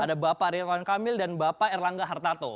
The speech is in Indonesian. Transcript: ada bapak ridwan kamil dan bapak erlangga hartarto